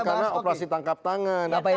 karena operasi tangkap tangan